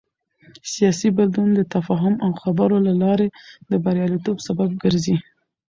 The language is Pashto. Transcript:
سیاسي بدلون د تفاهم او خبرو له لارې د بریالیتوب سبب ګرځي